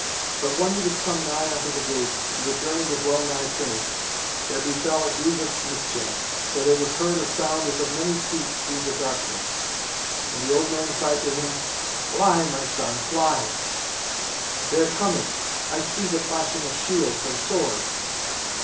But when he was come nigh unto the gates, and the journey was well nigh finished, there befell a grievous mischance, for there was heard a sound as of many feet through the darkness; and the old man cried to him, "Fly, my son, fly; they are coming. I see the flashing of shields and swords."